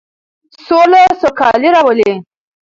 سوله سوکالي راوړي.